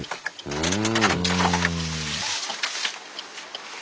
うん。